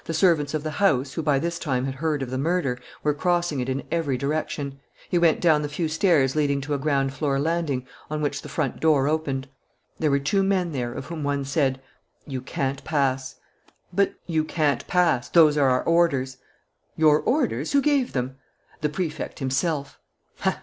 The servants of the house, who by this time had heard of the murder, were crossing it in every direction. He went down the few stairs leading to a ground floor landing, on which the front door opened. There were two men there, of whom one said: "You can't pass." "But " "You can't pass: those are our orders." "Your orders? Who gave them?" "The Prefect himself."